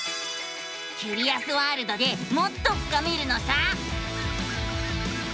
キュリアスワールドでもっと深めるのさ！